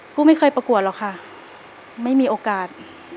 ผู้ไม่เคยประกวดหรอกค่ะไม่มีโอกาส